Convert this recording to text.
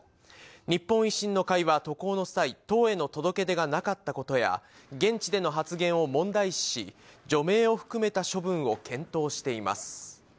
日本維新の会は渡航の際、党への届け出がなかったことや、現地での発言を問題視し、除名を含めた処分を検討しています。